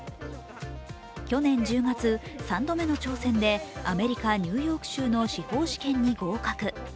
去年１０月、３度目の挑戦でアメリカ・ニューヨーク州の司法試験に合格。